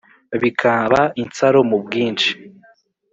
bikaba insaro mu bwinshi